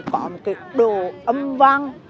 còn cái đồ âm văn